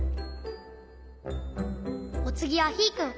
おつぎはヒーくん。